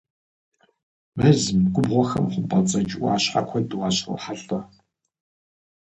Мэзым, губгъуэхэм хъумпӏэцӏэдж ӏуащхьэ куэд уащрохьэлӏэ.